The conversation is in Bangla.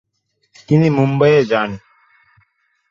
তিনি মুম্বাইয়ে যান